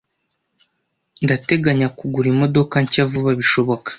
Ndateganya kugura imodoka nshya vuba bishoboka.